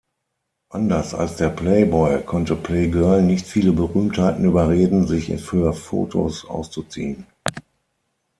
Anders als der Playboy konnte Playgirl nicht viele Berühmtheiten überreden, sich für Fotos auszuziehen.